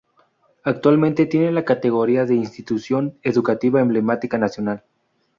Actualmente tiene la categoría de Institución Educativa Emblemática Nacional.